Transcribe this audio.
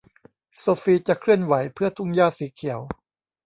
โซฟีจะเคลื่อนไหวเพื่อทุ่งหญ้าสีเขียว